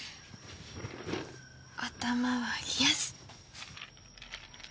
頭は冷やす。